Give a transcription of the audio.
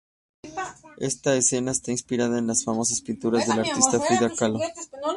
Esta escena está inspirada en las famosas pinturas de la artista Frida Kahlo.